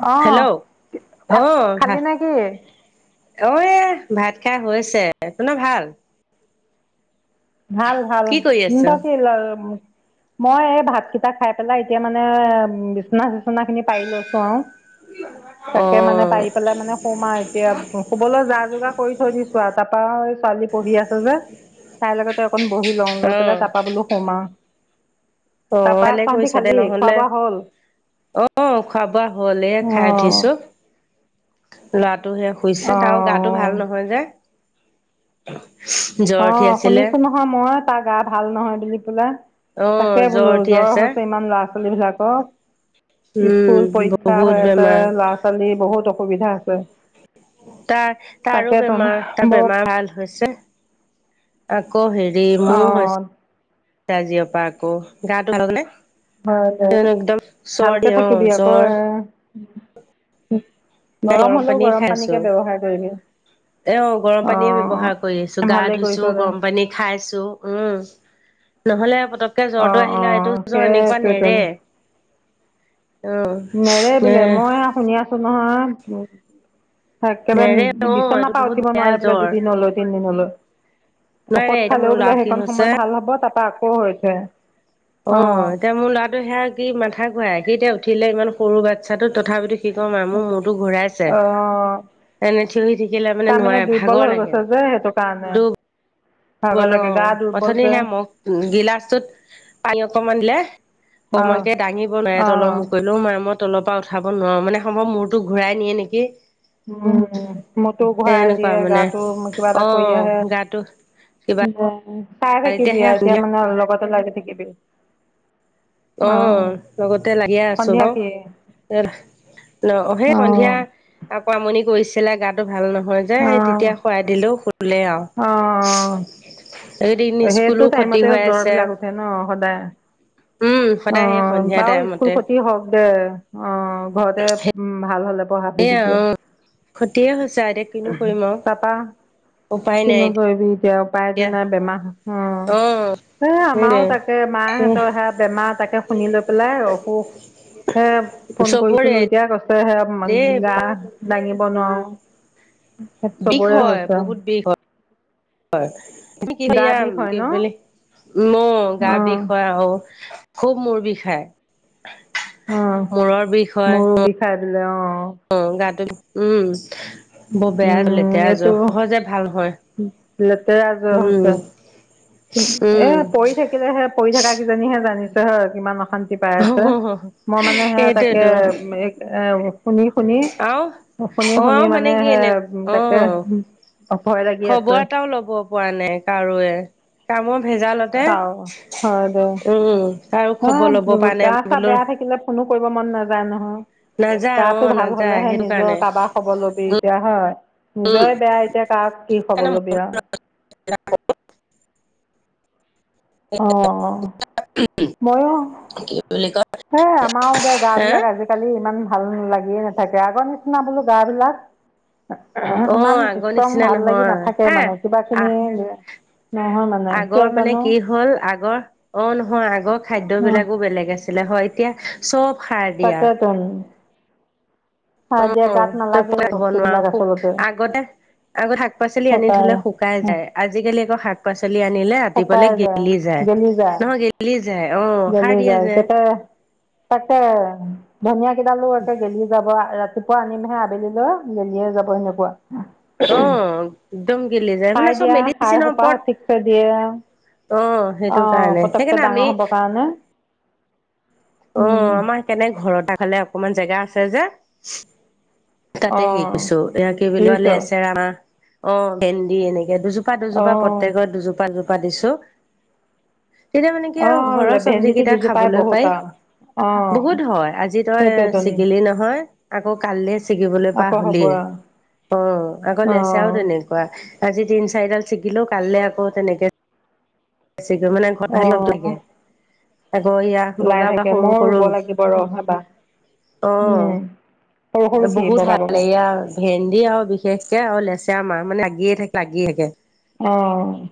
আহ হেল্ল' অ ভাত ভ খালি নে কি? অ ভাত খাই হৈছে তো আপোনাৰ ভাল। ভাল ভাল কি কৰি আছ তাক মই এই ভাত কেইটা খাই পেলাই এতিয়া মানে বিচনাত চনা খিনি পাৰি লৈছো আৰু অ তাকে মানে পাৰি পেলাই মানে সোম আৰু এতিয়া শুবলৈ যা যোগাৰ কৰি থৈ দিছো আৰু তাৰপা ছোৱালী পঢ়ি আছে যে তাইৰ লগতে অকন বহি লওঁ লৈ অ পেলাই তাৰপা বোলো সোমাও অ ভালে কৰিছ দে খোৱা বোৱা হ'ল? নহলে- অ খোৱা বোৱা হলে খাই উঠিছো ল'ৰাটো সে অ শুইছে তাৰ গাটো ভাল অ নহয় যে। অ জ্বৰ উঠি আছিলে শুনিছো নহয় মই তাৰ গা ভাল নহয় বুলি পেলাই অ তাকে বোলো উঠি জ্বৰ আছে হৈছে ইমান ল'ৰা ছোৱালী বিলাকৰ। স্কুল উম পৰীক্ষা বহুত হৈ আছে বেমাৰ ল'ৰা ছোৱালী বহুত অসুবিধা আছে। তাৰ তাৰ তাকে তোন বেমাৰ তাৰ বৰ বেমাৰ ভাল হৈছে। আক হেৰি মোৰ অ' হৈছে জিৰৰ পৰা আকৌ গাটো নে হয় হয় ভালকে অ থাকিবি আকৌ জ্বৰ আহ। নাই গৰম হ'লেও পানীয়ে খাই গৰম আছো। পানীকে ব্যৱহাৰ কৰিবি। এ গৰম পানীয়ে ব্যবহাৰ কৰি আছো। অ' গা ভালেই কৰিছ ধুইছো, দে গৰম পানী খাইছো। উম। নহলে পতককে জ্বৰটো অ' আহিলে এইটো অ' জ্বৰ এনেকুৱা সেইটোৱেতো নেৰে। আহ ন অঁ। নেৰে একেবাৰে অ বিচনা এইটো পা বহুত উঠিব বেয়া নোৱাৰে বোলে জ্বৰ। দুদিনলৈ তিনদিনলৈ। নোৱাৰে ঔষধ এতিয়া মোৰ খালেও ল'ৰা বোলে কি সেইখন হৈছে সময় ভাল হ'ব তাৰাপা আকৌ হৈছে। অ এতিয়া মোৰ ল'ৰাটো সেয়া কি মাথা ঘূৰায়। সি এতিয়া উঠিলে ইমান সৰু বাচ্ছাটোক তথাপিতো কি কয় মা মোৰ মূৰটো ঘূৰাইছে। অ এনে খিনি থাকিলে মানে তাৰমানে নোৱাৰে দুৰ্বল ভাগৰ হৈ লাগে। গৈছে যে সেইটো কাৰণে দু ভাগ বল অ লাগে গা দুৰ্বল অথনি যে হে মগ গিলাচটোত পানী অকমান দিলে অ কমকে দাঙিব নোৱাৰে। অ তল মূৰ কৰিলেও অ মাই তলৰ পৰা উঠাব নোৱাৰো মানে সম্ভৱ মূৰতো ঘূৰাই নিয়ে নেকি? উম মূৰটো সেই ঘূৰাই এনেকুৱা দিয়ে, মানে গাটো কিবা এটা অ কৰি আহে। গাটো কিবা উম চাই সে থাকিবি আও। এতিয়া সন্ধিয়া মানে লগতেও লাগি থাকিবি। অ অহ লগতে লাগিয়ে আছো সন্ধিয়া বাও। কি ন অ সেই সন্ধিয়া আকৌ আমনি কৰিছিলে গাটো ভাল নহয় যে। অ সেই তেতিয়া শুৱাই দিলোঁ, শুলে আও। অ এইদিন স্কুলো সেইটো খতি টাইমতে হৈ জ্বৰ আছে। বিলাক উম অ সদায় সেই সন্ধিয়া বাৰু স্কুল টাইমতে খটি হওক দে। অ ঘৰতে উ ভাল হ'লে পঢ়াবি সেয়া অ তেতিয়া। ক্ষতিয়ে হৈছে এতিয়া কিনো কৰিম আৰু তাপা উপায় নাই কিনো কৰিবি এতিয়া। উপাইটো এতিয়া নাই। বেমাৰ অ স আমাৰো সেইটোৱে তাকে মায়েহঁতৰ সেয়া বেমাৰ তাকে শুনি লৈ পেলাই অসুখ হে ফোন কৰিছিলো চবৰে এতিয়া কছে হে দে গা দাঙিব নোৱাৰো বিষ হয়, বহুত বিষ হয় হয়। গা বিষ হয় ন [unintelligible] গা অঁ বিষ হয় আও খুব মোৰ বিষায়। অঁ মূৰৰ বিষ হয়। মোৰো বিষাই অঁ অ গাটো। উম বৰ বেয়া লেতেৰা এইটো সহজে ভাল হয়। লেতেৰা জ্বৰ উম হৈছে [inaudible] এ উম পৰি থাকিলেহে পৰি় থাকা কিজনীহে জানিছে হয় কিমান অশান্তি পাই আছে। মই মানে সেয়া তাকে সেইটোয়েতো এ শুনি শুনি আৰু শুনি অ শুনি আৰু মানে কি সে এনে অ তাতে খবৰ এটাও লব পৰা নাই কাৰোৱে। কামৰ ভেজালতে চাও হয় দে। উম কাৰো হ খবৰ লব পৰা নাই গা চা বোলো বেয়া থাকিলে ফোনো কৰিব মন নাযায় নহয়। নাযায় অ গাটো ভাল নাযায় হলেহে সেইটো নিজৰ কাৰণে কাৰোবাক খ ব লবি এতিয়া। হয়? নিজৰে বেয়া এতিয়া কাক কি খব লবি আও। ময়ো কি বুলি কয় হে আমাৰো দে গা হা বিলাক আজিকালি ইমান ভাল লাগিয়ে নাথাকে। আগৰ নিচিনা বোলো গা বিলাক অ আগৰ নিচিনা লাগি নহয়। নাথাকে হা মানে কিবাখিনি আহ নহয় মানে কিয় আগৰ মানে জানো কি হ'ল আগ আগৰ অ নহয় আগৰ খাদ্য বিলাকো বেলেগ আছিলে, হয়? এতিয়া চব সাৰ দিয়া তাকেটোন। অ তই নালাগে এই পহাব নোৱাৰ বস্তুবিলাক খুব। আচলতে আগতে আগত শাক পাচলি আনি শুকাই থলে শুকাই উম, যায়। আজিকালি আকৌ শাক চলি আনিলে ৰাতিপুৱালে শুকাই গেলি যায়। গেলি যায় নহয় গেলি যায়। আহ সাৰ গেলি দিয়া যায় যে। তাকে তাকে ধনিয়া কেইডালো একে গেলি যাব ৰা তপা আনিমাহে আবেলি লৈ গেলিয়ে যাব সেনেকুৱা। অ একদম গেলি যায় মানে সাৰ চব দিয়া সাৰ মেডিচিনৰ সোপাহ ওপৰত ঠিকছে দিয়ে। অ সেইটো আহ কাৰণে পতক সেইকাৰণে পতক আমি ডাঙৰ হ'ব কাৰণে। অ, উম, আমাৰ কেনেক ঘৰত ফালে অকমান জেগা আছে যে। তাতে হেৰি অ', কৈছো, এ কি বুলি লোৱা ৰুইছ লেচেৰা অ ভেন্দি এনেকে। দুজোপা দুজোপা অ', প্ৰত্যেকক দুজোপা দুজোপা দিছো। তেতিয়া মানে কি আৰু ঘৰৰ অ', চব্জি ভেন্দিটো কেইটা দুজোপাই খাবলৈ পাই। বহুত আৰু অ', বহুত হয়, আজি তই সেইটোৱেতো ছিগিলি নহয় আকৌ কাললে। [unintelligible] অঁ আকৌ হ'ব আৰু হেতি নাচাই অ', তেনেকুৱা টিন চাইডাল চিকিলো কালৈ আকৌ তেনেক। ছবে মানে ঘৰত ভাল অ', থাকে। আকৌ ইয়া, ওলাই বগা বা থাকে সৰু ময়ো ৰুব সৰু লাগিব ৰ' এবাৰ অ। উম, সৰু সৰু কি বহুত বগা বগা হালেয়া ভেন্দি আৰু বিশেষকে আৰু লেচু। আমাৰ মানে আগিয়ে থাকে লাগিয়ে থাকে। অঁ।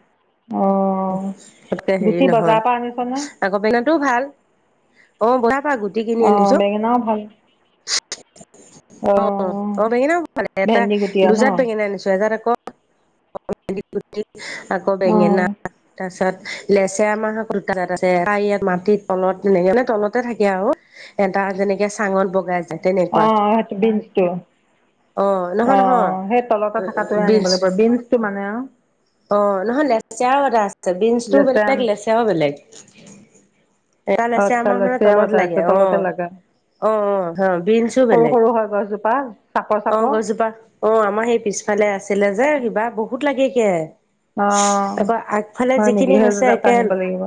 তেনেকে হেৰি বজাৰৰ পৰা আনিছনে নহয় আকৌ বেঙনাটো ভাল। অ, বজাৰ পা গুটি কিনি অ', আনিছো। বেঙেনাও ভাল অ অ, বেঙেনা হ পালে এটা ভেন্দি গুটি আৰু ন দুজাত বেঙেনা আনিছো এজাৰ আকৌ। আকৌ বেঙনা। অ', তাৰ পিছত লেচেৰা মাহ আছে, ত ইয়াত মাটিত তলত এনেক মানে তলতে থাকে আৰু। এটা যেনেকে চাংত বগাই যায়। তেনেকুৱা অৱ অৱ দিনটো। অ নহয় নহয় অঁ, সেই তলত থকাটোৱে আনিব বিনচ লাগিব বিনটো মানে আও। অ, নহয় লেচিয়াও এটা আছে বিন্ছটোও লেচেৰা বেলেগ লেচিয়ৰাও বেলেগ। এডাল আছে আচ্ছা আমাৰ মানে লেচেৰাও তলত এটা লাগে আছে অৱ। তলতে লাগে অৱ অৱ হ বিনচও সৰু বেলেগ। সৰু হয় গছজোপা চাপৰ অৱ চাপৰ গজোপা অ আমাৰ সেই পিছফালে আছিলে যে সিবা কিবা বহুত লাগে গে। অ', আকৌ আগফালে হয় নেকি যিখিনি সেইযোৰ হৈছে তাত একেন আনিব লাগিব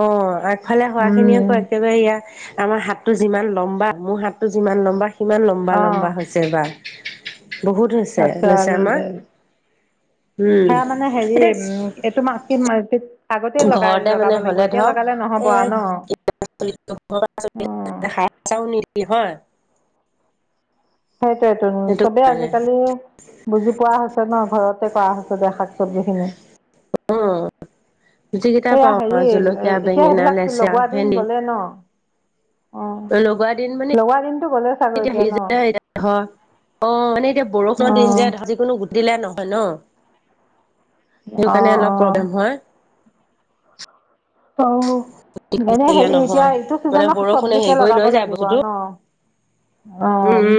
অৱ আগফালে হোৱা খিনিয়ে আকৌ, উম, একেবাৰে ইয়া আমাৰ হাত। তোৰ যিমান লম্বা, মোৰ হাতটো যিমান লম্বা মোৰ হাতটো যিমান লম্বা সিমান লম্বা অ', লম্বা হৈছে এবাৰ। বহুত হৈছে আচ্ছা লেছেৰা মাহ। সেয়া মানে হেৰি এইটো মাহ কি [unintelligible] আগতে লগাই ঘৰতে লগাব, মানে লাগিব হলে এতিয়া ধৰ লগালে নহ'ব এ আওঁ ন। অ', [unintelligible] সেইটোয়েতো সেইটো চবেই কাৰণে আজিকালি। বুজি পোৱা হৈছে ন, ঘৰতে কৰা হৈছে দে শাক চবজিখিনি। অ, যিকেইটা এয়া পাও হেৰি আৰু জলকীয়া এতিয়া বেঙেনা সেইবিলাক লেচা লগোৱা দিন ভেন্দি। গ'লে ন অঁ [unintelligible] লগোৱা দিনটো গ'লে চাগৈ এতিয়া ন অ মানে এতিয়া বৰষুণৰ দিন অঁ যে কোনো গুটিলে নহয় ন। সেই কাৰণে অঁ অলপ অঁ প্ৰব্লেম হয়। অঁ। এনেই দিলে হেৰি এতিয়া, নহয় ইটো মানে চিজনত বৰষুণে হেৰি চব্জিকে কৰি লগাব লৈ যায় লাগিব বস্তুটো আৰু ন। উম।